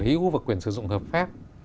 đó là quyền sở hữu và quyền sử dụng hợp pháp